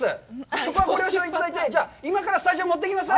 そこはご了承いただいて、じゃあ今からスタジオに持っていきます！